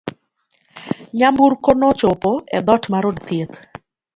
Nyamburko nochopo e dhoot mar od thieth.